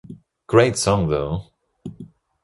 Great song, though.